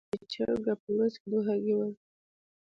ښځې غوښتل چې چرګه په ورځ کې دوه هګۍ ورکړي.